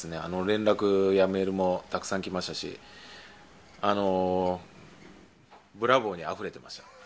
連絡やメールもたくさん来ましたしブラボーにあふれていました。